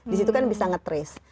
di situ kan bisa nge trace